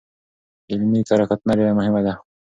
علمي کره کتنه ډېره مهمه ده.